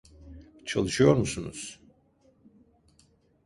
Çalışıyor musunuz?